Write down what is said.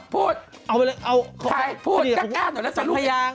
พูดก๊าก้าหน่อยนะตัวลูก